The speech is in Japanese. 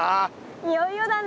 いよいよだね。